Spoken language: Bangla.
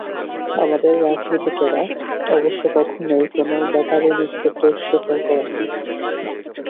আমাদের রাজীতিকেরা অবশ্য কখনোই কোনো ব্যাপারে নিজেদের দোষ স্বীকার করেন না।